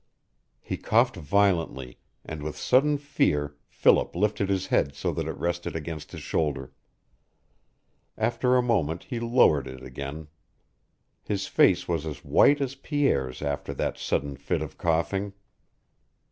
He coughed violently, and with sudden fear Philip lifted his head so that it rested against his shoulder. After a moment he lowered it again. His face was as white as Pierre's after that sudden fit of coughing.